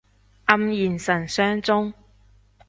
黯然神傷中